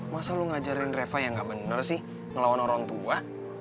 masa lo ngajarin reva yang gak bener sih ngelawan orang tua